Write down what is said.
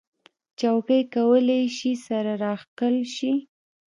چوکۍ کولی شي سره راښکل شي.